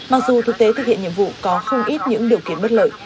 mặc dù thực tế thực hiện nhiệm vụ có không ít những điều kiện bất lợi